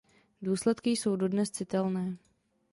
Důsledky jsou dodnes citelné.